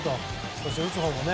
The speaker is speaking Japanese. そして打つほうもね。